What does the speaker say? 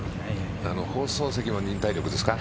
放送席も忍耐力ですか？